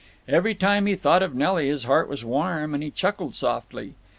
Every time he thought of Nelly his heart was warm and he chuckled softly.